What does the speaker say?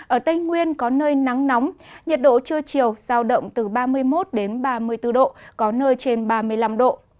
ở tây nguyên có nơi nắng nóng nhiệt độ trưa chiều giao động từ ba mươi một đến ba mươi bốn độ có nơi trên ba mươi năm độ